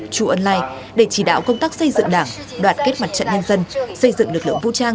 chu ân lai để chỉ đạo công tác xây dựng đảng đoạt kết mặt trận nhân dân xây dựng lực lượng vũ trang